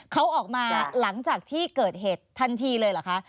เขาออกมาหลังจากที่เกิดเหตุทันทีเลยเหรอคะ